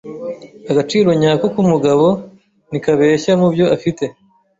Agaciro nyako k'umugabo ntikabeshya mubyo afite.